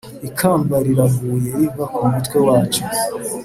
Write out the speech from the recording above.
Ikamba riraguye riva ku mutwe wacu,